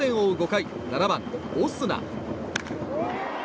５回７番、オスナ。